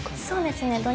そうですね